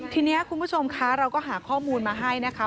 ทีนี้คุณผู้ชมคะเราก็หาข้อมูลมาให้นะคะ